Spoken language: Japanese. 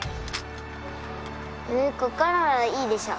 ここからはいいでしょ